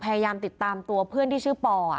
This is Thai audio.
พยายามติดตามตัวเพื่อนที่ชื่อป่อ